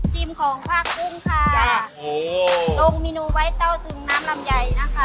จิมของภาคกุ้งค่ะลงมีนูไว้เต้าถึงน้ำลำใหญ่นะคะค่ะ